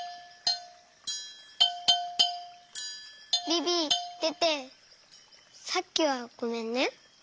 ビビテテさっきはごめんね。